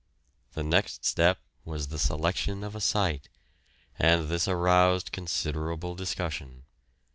The next step was the selection of a site, and this aroused considerable discussion.